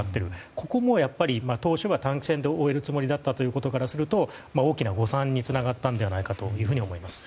ここもやっぱり当初は短期戦で終えるつもりだったことからすると大きな誤算につながったのではないかと思います。